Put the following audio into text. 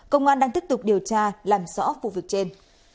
công an đang tiếp tục điều tra làm rõ vụ việc trên